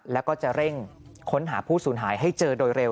แล้วก็จะเร่งค้นหาผู้สูญหายให้เจอโดยเร็ว